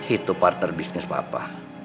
itu partner bisnis papa